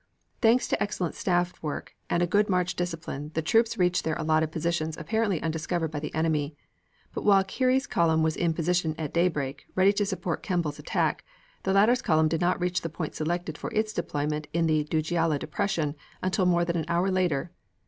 Thanks to excellent staff work and good march discipline the troops reached their allotted position apparently undiscovered by the enemy, but while Keary's column was in position at daybreak, ready to support Kemball's attack, the latter's command did not reach the point selected for its deployment in the Dujailah depression until more than an hour later.